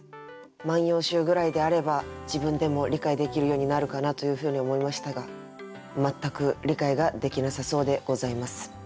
「万葉集」ぐらいであれば自分でも理解できるようになるかなというふうに思いましたが全く理解ができなさそうでございます。